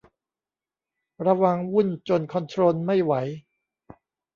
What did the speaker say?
ระวังวุ่นจนคอนโทรลไม่ไหว